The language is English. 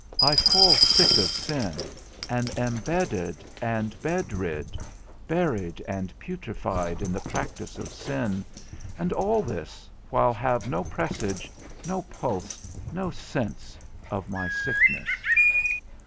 I fall sick of sin, and am bedded and bedrid, buried and putrified in the practice of sin, and all this while have no presage, no pulse, no sense of my sickness.